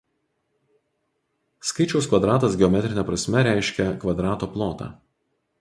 Skaičiaus kvadratas geometrine prasme reiškia kvadrato plotą.